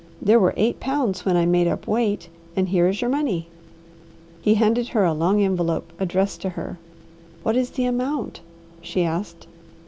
There were eight pounds when I made up weight and here is your money." He handed her a long envelope addressed to her. "What is the amount?" she asked.